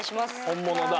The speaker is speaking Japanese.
本物だ！